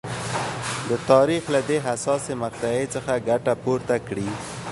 د تاریخ له دې حساسې مقطعې څخه ګټه پورته کړي.